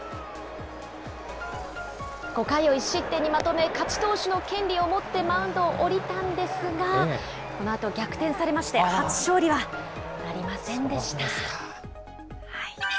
５回を１失点にまとめ、勝ち投手の権利を持ってマウンドを降りたんですが、このあと逆転されまして、初勝利はなりませんでした。